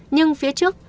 nhưng phía trước